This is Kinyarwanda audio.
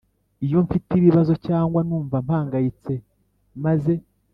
Iyo mfite ibibazo cyangwa numva mpangayitse maze